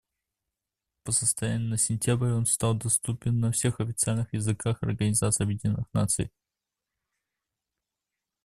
По состоянию на сентябрь он стал доступен на всех официальных языках Организации Объединенных Наций.